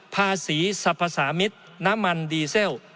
ภาษีสรรพสามิตรน้ำมันดีเซล